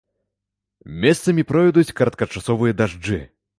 Месцамі пройдуць кароткачасовыя дажджы.